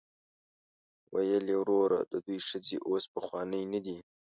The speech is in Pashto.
ویل یې وروره د دوی ښځې اوس پخوانۍ نه دي.